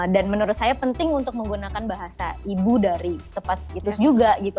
menurut saya penting untuk menggunakan bahasa ibu dari tempat situs juga gitu